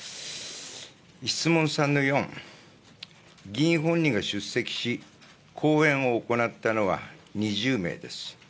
質問３の４、議員本人が出席し、講演を行ったのは２０名です。